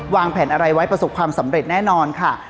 วางแผนอะไรไว้ประสบความสำเร็จแน่นอนค่ะ